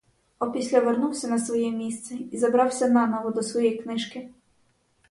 Опісля вернувся на своє місце й забрався наново до своєї книжки.